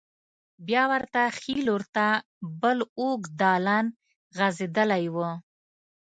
بیا ورته ښې لور ته بل اوږد دالان غوځېدلی و.